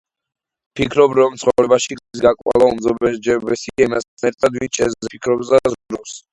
ვფიქრობ რომ ცხოვრებაში გზის გაკვლევა უმჯობესია იმასთან ერთად, ვინც შენზე ფიქრობს და ზრუნავს.